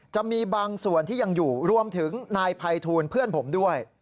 จะมีบางส่วนที่ยังอยู่รวมถึงนายภัยทูลเพื่อนผมด้วย